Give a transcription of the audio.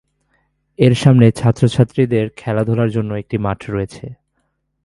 এর সামনে ছাত্র-ছাত্রীদের খেলাধুলার জন্য একটি মাঠ রয়েছে।